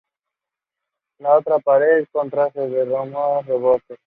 La otra pared corta se denomina "rebote".